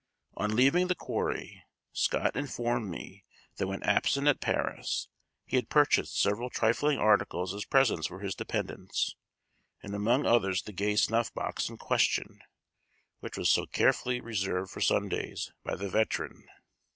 On leaving the quarry, Scott informed me that when absent at Paris, he had purchased several trifling articles as presents for his dependents, and among others the gay snuff box in question, which was so carefully reserved for Sundays, by the veteran.